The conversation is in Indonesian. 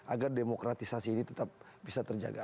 agar demokratisasi ini tetap bisa terjaga